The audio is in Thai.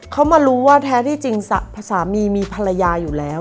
เขามารู้ว่าแท้ที่จริงสามีมีภรรยาอยู่แล้ว